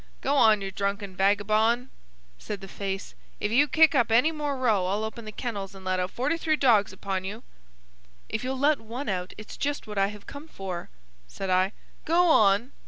"Go on, you drunken vagabone," said the face. "If you kick up any more row I'll open the kennels and let out forty three dogs upon you." "If you'll let one out it's just what I have come for," said I. "Go on!"